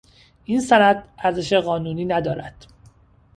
این سند ارزش قانونی ندارد.